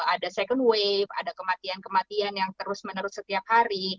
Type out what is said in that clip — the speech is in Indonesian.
ada second wave ada kematian kematian yang terus menerus setiap hari